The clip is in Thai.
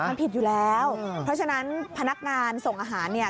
มันผิดอยู่แล้วเพราะฉะนั้นพนักงานส่งอาหารเนี่ย